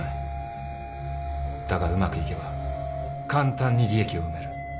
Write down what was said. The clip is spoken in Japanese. だがうまくいけば簡単に利益を生める。